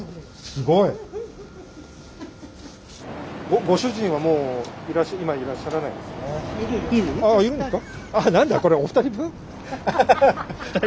すごい！ああいるんですか？